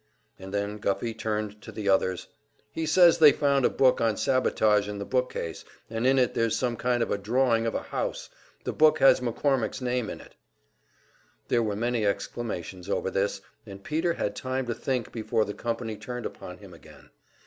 And then Guffey turned to the others. "He says they found a book on sabotage in the book case, and in it there's some kind of a drawing of a house. The book has McCormick's name in it." There were many exclamations over this, and Peter had time to think before the company turned upon him again.